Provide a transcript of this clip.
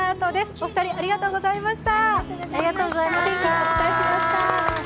お二人、ありがとうございました。